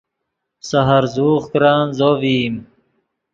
سے ہرزوغ کرن زو ڤئیم